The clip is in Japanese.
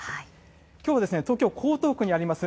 きょうは東京・江東区にあります